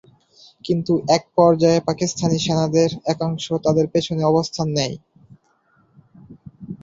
কিন্তু একপর্যায়ে পাকিস্তানি সেনাদের একাংশ তাদের পেছনে অবস্থান নেয়।